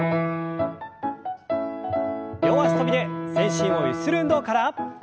両脚跳びで全身をゆする運動から。